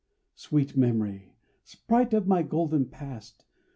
Sweet Memory! sprite of my golden past!